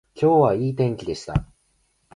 今日はいい天気でした